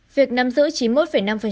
việc năm giữ chín mươi một năm